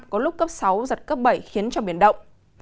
có lúc cấp sáu giật cấp bảy khiến cho biển động